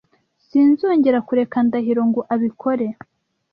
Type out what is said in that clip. Sinzongera kureka Ndahiro ngo abikore.